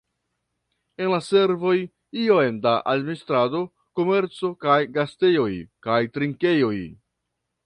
En servoj iom da administrado, komerco kaj gastejoj kaj trinkejoj.